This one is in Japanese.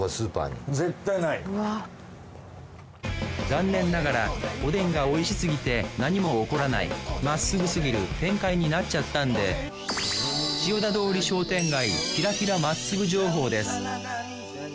残念ながらおでんが美味しすぎて何も起こらないまっすぐすぎる展開になっちゃったんで千代田通り商店街キラキラまっすぐ情報です。